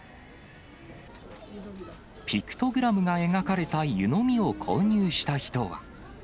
ピクトグラムが描かれた湯のみを購入した人は。